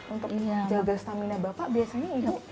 untuk menjaga stamina bapak biasanya enggak